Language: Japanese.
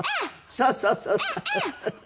そうそうそうそう。